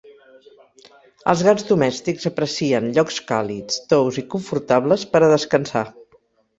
Els gats domèstics aprecien llocs càlids, tous i confortables per a descansar.